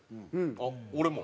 あっ俺も。